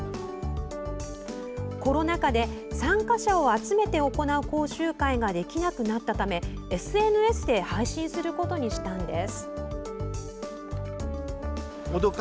コロナ禍で、参加者を集めて行う講習会ができなくなったためＳＮＳで配信することにしたんです。